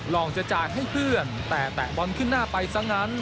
ลองจะจ่ายให้เพื่อนแต่แตะบอลขึ้นหน้าไปซะงั้น